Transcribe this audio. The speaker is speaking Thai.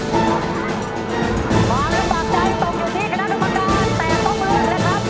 ความรับหักใจตกอยู่ที่คณะดับประการแต่ต้องเลือกเลยครับ